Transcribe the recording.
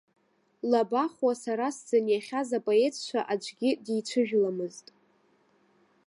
Лабахәуа сара сзыниахьаз апоетцәа аӡәгьы дицәыжәламызт.